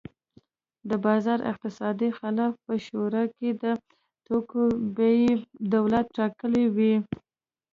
د بازار اقتصاد خلاف په شوروي کې د توکو بیې دولت ټاکلې وې